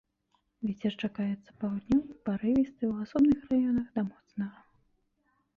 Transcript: Вецер чакаецца паўднёвы парывісты, у асобных раёнах да моцнага.